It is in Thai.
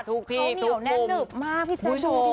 ทุกทีทุกคลุม